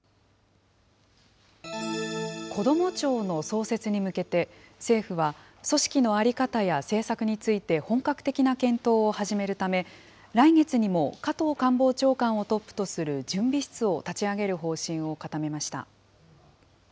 こども庁の創設に向けて、政府は組織の在り方や政策について本格的な検討を始めるため、来月にも加藤官房長官をトップとする準備室を立ち上げる方針を固めました。